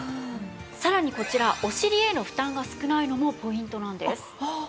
さらにこちらお尻への負担が少ないのもポイントなんです。